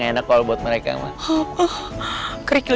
bikin lagi dong yang banyak banget